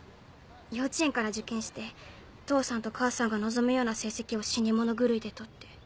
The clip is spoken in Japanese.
幼稚園から受験して父さんと母さんが望むような成績を死に物狂いで取って。